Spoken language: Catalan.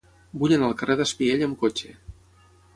Vull anar al carrer d'Espiell amb cotxe.